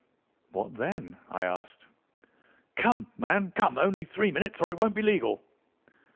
"'What then?' I asked. "'Come, man, come, only three minutes, or it won't be legal.